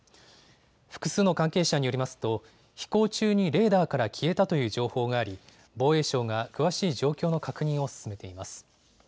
複数の関係者によりますと飛行中にレーダーから消えたという情報があり防衛省が詳しい状況の確認を進めています。